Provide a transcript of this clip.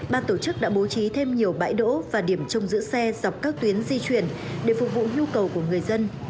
ban tổ chức đã bố trí thêm nhiều bãi đỗ và điểm trông giữ xe dọc các tuyến di chuyển để phục vụ nhu cầu của người dân